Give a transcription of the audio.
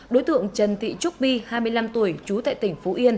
đối tượng trần thị trúc bi hai mươi năm tuổi trú tại tỉnh phú yên